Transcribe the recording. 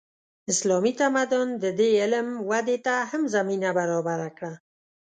اسلامي تمدن د دې علم ودې ته هم زمینه برابره کړه.